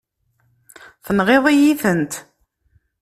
Tenɣiḍ-iyi-tent.